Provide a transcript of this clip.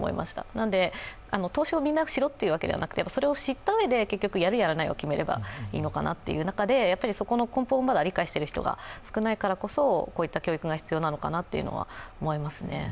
なので投資をみんなしろというのではなくて、それを知ったうえでやる、やらないを決めればいいのかなという中でそこの根本を理解している人が少ないからこそこういった教育が必要なのかなと思います。